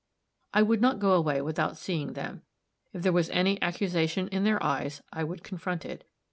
I would not go away without seeing them; if there was any accusation in their eyes I would confront it.